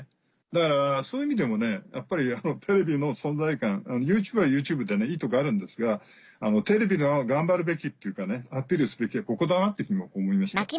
だからそういう意味でもやっぱりテレビの存在感ＹｏｕＴｕｂｅはＹｏｕＴｕｂｅでいいとこあるんですがテレビが頑張るべきっていうかアピールすべきはここだなっていうふうに思いました。